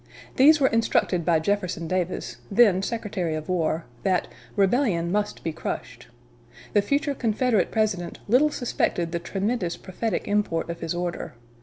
These were instructed by Jefferson Davis, then Secretary of War, that "rebellion must be crushed." The future Confederate President little suspected the tremendous prophetic import of his order.